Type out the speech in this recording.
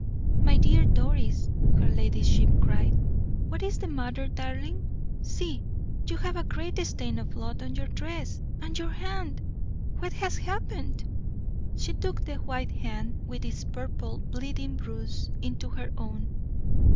"My dear Doris," her ladyship cried, "what is the matter, darling? See! you have a great stain of blood on your dress and your hand! What has happened?" She took the white hand, with its purple, bleeding bruise, into her own.